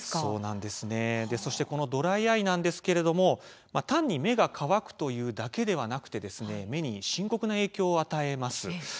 そしてこのドライアイなんですけれども単に目が乾くだけではなくて目に深刻な影響を与えます。